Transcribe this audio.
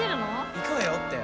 「いくわよ」って。